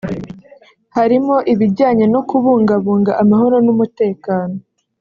harimo ibijyanye no kubungabunga amahoro n’umutekano